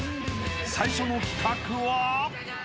［最初の企画は］